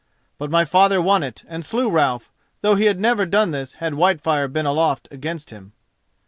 But my father won it and slew Ralph, though he had never done this had Whitefire been aloft against him.